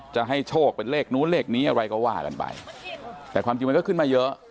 จะให้โชคเป็นเลขนู้นเลขนี้อะไรก็ว่ากันไปแต่ความจริงมันก็ขึ้นมาเยอะ